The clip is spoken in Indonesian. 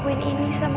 yang ini tali